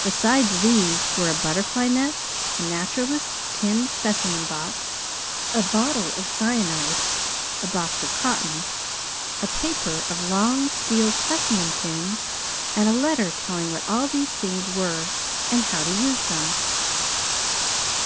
Besides these were a butterfly net, a naturalist's tin specimen box, a bottle of cyanide, a box of cotton, a paper of long, steel specimen pins, and a letter telling what all these things were and how to use them.